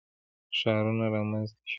ښارونه رامنځته شول.